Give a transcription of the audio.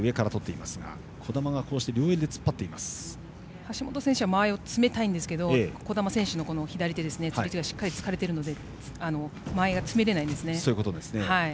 橋本選手は間合いを詰めたいですが児玉選手の左手ですね釣り手がしっかりとつかまれているので間合いが詰められないんですね。